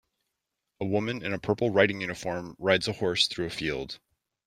A woman in a purple riding uniform rides a horse through a field.